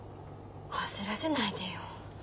焦らせないでよ。